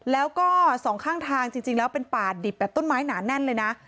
แล้วก็สองข้างทางจริงแล้วเป็นป่าดิบแบบต้นไม้หนาแน่นเลยนะ